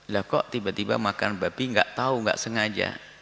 lah kok tiba tiba makan babi nggak tahu nggak sengaja